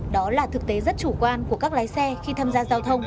đó là thực tế rất chủ quan của các lái xe khi tham gia giao thông